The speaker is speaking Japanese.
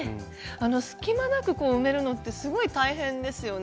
隙間なく埋めるのってすごい大変ですよね。